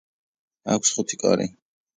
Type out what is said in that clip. აქვს ხუთი კარი.